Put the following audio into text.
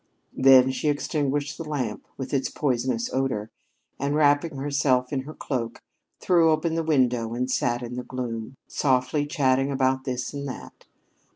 Then she extinguished the lamp, with its poisonous odor, and, wrapping herself in her cloak threw open the window and sat in the gloom, softly chatting about this and that.